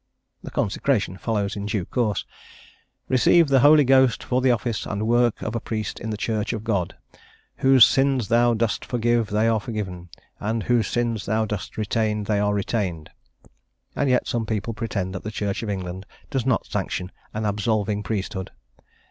The consecration follows in due course: "Receive the Holy Ghost for the Office and work of a priest in the Church of God... Whose sins thou dost forgive they are forgiven; and whose sins thou dost retain, they are retained." And yet some people pretend that the Church of England does not sanction an absolving priesthood!